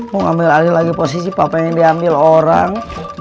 mau ambil alih lagi posisi papa yang diambil orang